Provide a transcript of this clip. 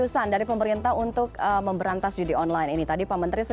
selamat sore pak menteri